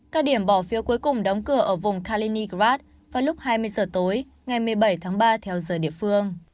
các điểm bỏ phiếu cuối cùng đóng cửa ở vùng khaledigrad vào lúc hai mươi giờ tối ngày một mươi bảy tháng ba theo giờ địa phương